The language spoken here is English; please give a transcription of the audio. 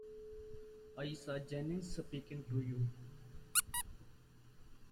I saw Jennings speaking to you.